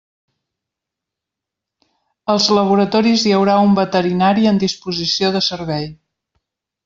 Als laboratoris hi haurà un veterinari en disposició de servei.